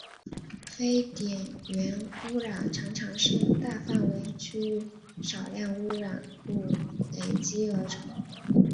非点源污染常常是大范围区域少量污染物累积而成。